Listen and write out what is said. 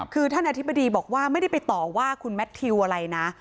คือท่านอธิบดีบอกว่าไม่ได้ไปต่อว่าคุณแมททิวอะไรนะ